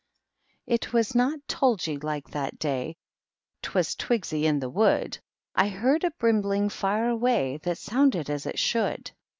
It was not tulgy like that day, — ^Twas twigsy in the wood; I heard a brimbling far away That sounded as it should.